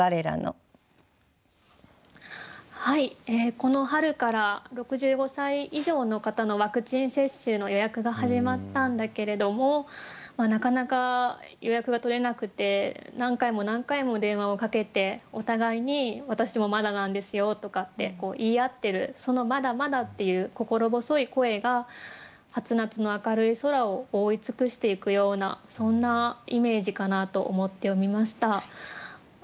この春から６５歳以上の方のワクチン接種の予約が始まったんだけれどもなかなか予約がとれなくて何回も何回も電話をかけてお互いに「私もまだなんですよ」とかって言い合ってるその「まだ」「まだ」っていう心細い声が初夏の明るい空を覆い尽くしていくようなそんなイメージかなと思って読みました。